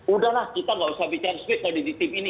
udahlah kita gak usah bicara spesial di tim ini